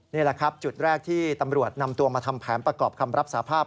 นี่แหละครับจุดแรกที่ตำรวจนำตัวมาทำแผนประกอบคำรับสาภาพ